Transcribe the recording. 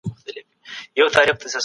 که علمي مواد وي نو پوهه نه کمیږي.